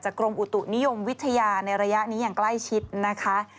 กรมอุตุนิยมวิทยาในระยะนี้อย่างใกล้ชิดนะคะ